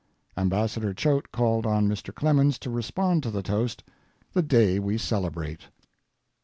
Ambassador Choate called on Mr. Clemens to respond to the toast "The Day We Celebrate."